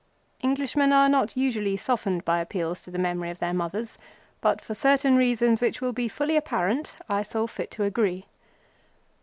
Englishmen are not usually softened by appeals to the memory of their mothers, but for certain reasons, which will be fully apparent, I saw fit to agree.